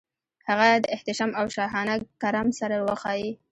هغه د احتشام او شاهانه کرم سره وښايي.